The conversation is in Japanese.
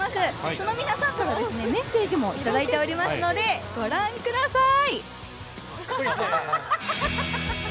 その皆さんからメッセージもいただいておりますので、ご覧ください。